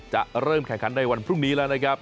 จะเริ่มแข่งขันในวันพรุ่งนี้แล้วนะครับ